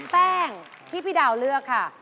แป้งที่พี่ดาวเลือกค่ะ